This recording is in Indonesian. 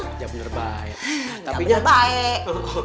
gak bener baik